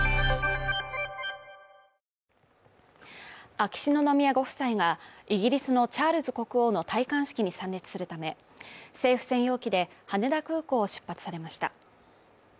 秋篠宮ご夫妻がイギリスのチャールズ国王の戴冠式に参列するため政府専用機で羽田空港を出発されました。